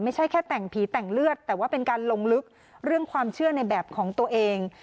ไม่ใช่แค่แต่งผีแต่งเลือดแต่ว่าเป็นการลงลึกเรื่องความเชื่อในแบบของตัวเอง